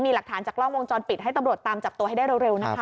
มีหลักฐานจากกล้องวงจรปิดให้ตำรวจตามจับตัวให้ได้เร็วนะคะ